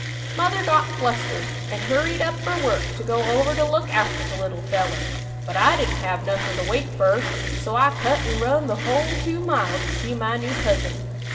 "Mother got flustered an' hurried up 'er work to go over to look after the little feller, but I didn't have nothin' to wait fur, so I cut an' run the hull two mile to see my new cousin.